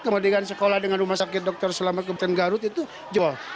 kemudian sekolah dengan rumah sakit dokter selamat kabupaten garut itu jebol